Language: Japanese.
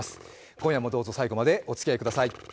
今夜もどうぞ最後までおつきあいください。